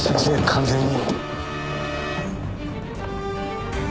完全に。